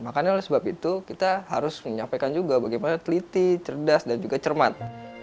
makanya oleh sebab itu kita harus menyampaikan juga bagaimana teliti cerdas dan juga cermat